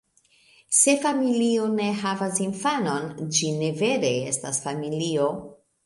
Se familio ne havas infanon, ĝi ne vere estas familio.